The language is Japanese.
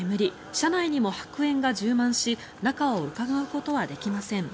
車内にも白煙が充満し中をうかがうことはできません。